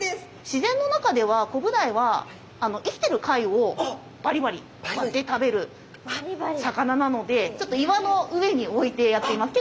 自然の中ではコブダイは生きてる貝をバリバリ割って食べる魚なのでちょっと岩の上に置いてやってみます。